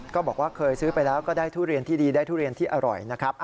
บอกว่าเคยซื้อไปแล้วก็ได้ทุเรียนที่ดีได้ทุเรียนที่อร่อยนะครับ